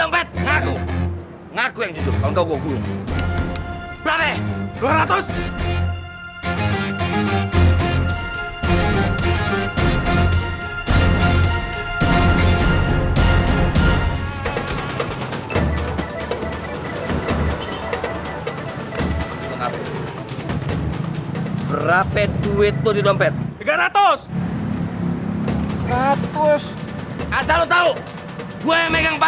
makasih poi ya